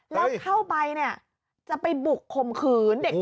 แล้วเข้าไปเนี่ยจะไปบุกข่มขืนเด็ก